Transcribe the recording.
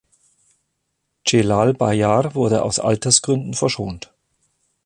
Celal Bayar wurde aus Altersgründen verschont.